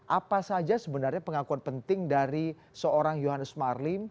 apa saja sebenarnya pengakuan penting dari seorang yohannes marlim